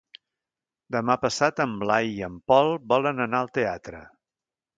Demà passat en Blai i en Pol volen anar al teatre.